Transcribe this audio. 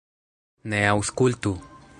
Ne aŭskultu!